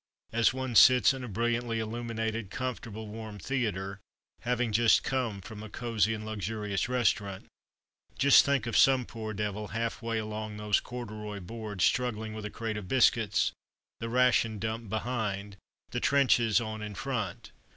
As one sits in a brilliantly illuminated, comfortable, warm theatre, having just come from a cosy and luxurious restaurant, just think of some poor devil half way along those corduroy boards struggling with a crate of biscuits; the ration "dump" behind, the trenches on in front.